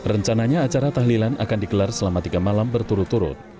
rencananya acara tahlilan akan digelar selama tiga malam berturut turut